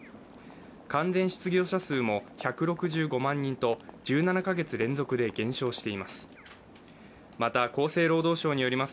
完全失業者数も１６５万人と１７か月連続で減少しています。